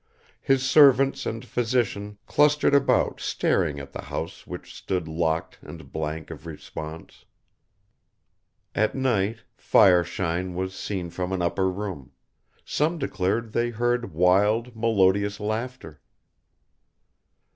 His servants and physician clustered about staring at the house which stood locked and blank of response. At night fire shine was seen from an upper room; some declared they heard wild, melodious laughter.